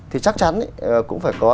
thì chắc chắn cũng phải có